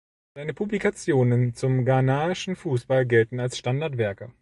Seine Publikationen zum ghanaischen Fußball gelten als Standardwerke.